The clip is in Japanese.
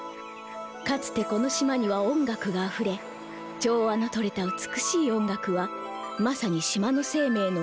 かつてこの島には音楽があふれ調和のとれた美しい音楽はまさに島の生命の源であった。